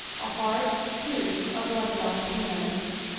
A harp suits a bloodwogjied hand.